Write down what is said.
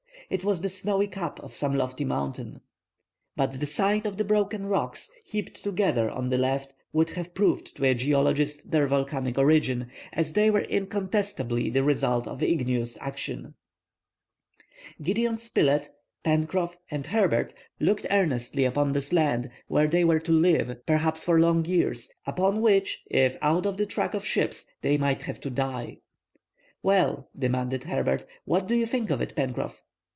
It was the snowy cap of some lofty mountain. It was not possible at present to say whether this land was an island or part of a continent; but the sight of the broken rocks heaped together on the left would have proved to a geologist their volcanic origin, as they were incontestably the result of igneous action. Gideon Spilett, Pencroff, and Herbert looked earnestly upon this land where they were to live, perhaps for long years; upon which, if out of the track of ships, they might have to die. "Well," demanded Herbert, "what do you think of it, Pencroff?"